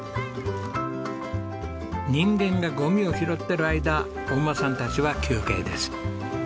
人間がゴミを拾ってる間お馬さんたちは休憩です。